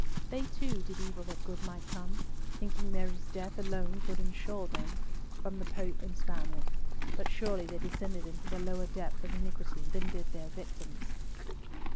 They, too, did evil that good might come, thinking Mary's death alone could ensure them from Pope and Spaniard; but surely they descended into a lower depth of iniquity than did their victims.